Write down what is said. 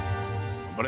頑張れ。